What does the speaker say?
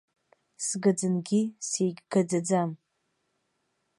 Сгаӡангьы сеигьгаӡаӡам.